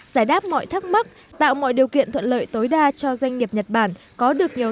giải đáp mọi thắc mắc tạo mọi điều kiện thuận lợi tối đa cho doanh nghiệp nhật bản có được nhiều